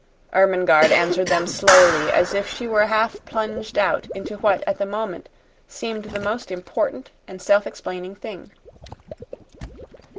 Ermengarde answered them slowly as if she were half plunged out into what, at the moment, seemed the most important and self explaining thing.